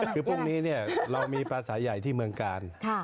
คือพรุ่งนี้เรามีภาษาใหญ่ที่เมืองกาล